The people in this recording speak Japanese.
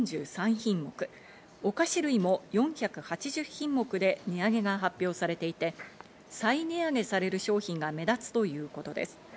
他にもしょうゆなど調味料が１３４３品目、お菓子類も４８０品目で値上げが発表されていて、再値上げされる商品が目立つということです。